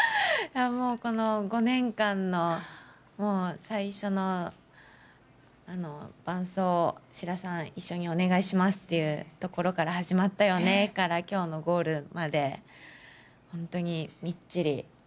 この５年間の最初の伴走、志田さん、一緒にお願いしますっていうところから始まったよねから、きょうのゴールまで、本当にみっちり。